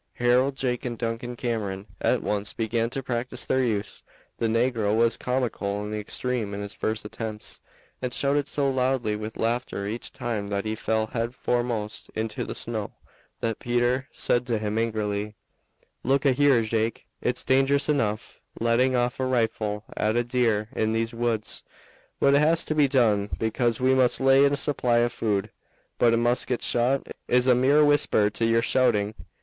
Harold, Jake, and Duncan Cameron at once began to practice their use. The negro was comical in the extreme in his first attempts, and shouted so loudly with laughter each time that he fell head foremost into the snow that Peter said to him angrily: "Look a here, Jake; it's dangerous enough letting off a rifle at a deer in these woods, but it has to be done because we must lay in a supply of food; but a musket shot is a mere whisper to yer shouting.